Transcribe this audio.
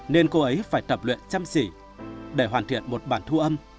nên cô ấy phải tập luyện chăm sỉ để hoàn thiện một bản thu âm